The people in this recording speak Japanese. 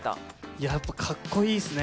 いやぁ、やっぱかっこいいっすね。